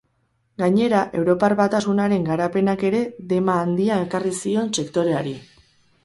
Gainera, Europar Batasunaren garapenak ere dema handia ekarri zion sektoreari.